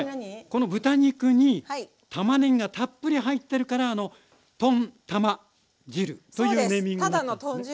この豚肉にたまねぎがたっぷり入ってるからとんたま汁というネーミング。